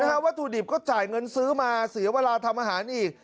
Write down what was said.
วัตถุดิบก็จ่ายเงินซื้อมาเสียเวลาทำอาหารอีก